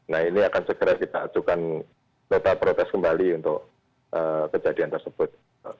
nah ini akan segera kita ajukan nota protes kembali untuk kejadian tersebut